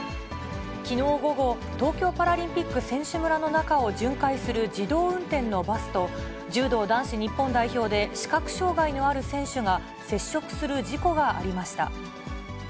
きのう午後、東京パラリンピック選手村の中を巡回する自動運転のバスと、柔道男子日本代表で、視覚障がいのある選手が、接触する事故がありました。